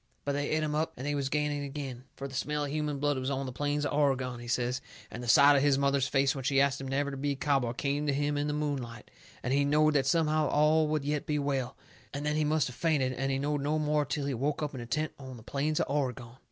But they et him up and they was gaining agin, fur the smell of human blood was on the plains of Oregon, he says, and the sight of his mother's face when she ast him never to be a cowboy come to him in the moonlight, and he knowed that somehow all would yet be well, and then he must of fainted and he knowed no more till he woke up in a tent on the plains of Oregon.